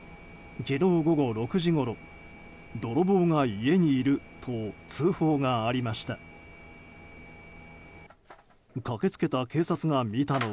昨日午後６時ごろ泥棒が家にいると通報がありました。